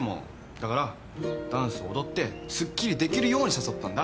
だからダンスを踊ってすっきりできるように誘ったんだ。